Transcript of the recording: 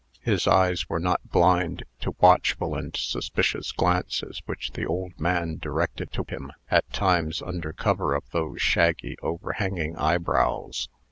His eyes were not blind to watchful and suspicious glances which the old man directed to him, at times, under cover of those shaggy, overhanging eyebrows.